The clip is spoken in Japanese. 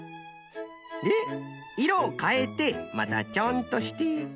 でいろをかえてまたチョンとして。